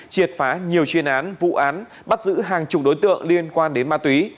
triệt phá nhiều chuyên án vụ án bắt giữ hàng chục đối tượng liên quan đến ma túy